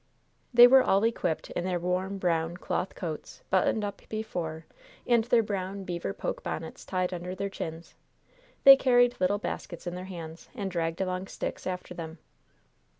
They were all equipped in their warm, brown cloth coats, buttoned up before, and their brown, beaver poke bonnets tied under their chins. They carried little baskets in their hands and dragged along sticks after them.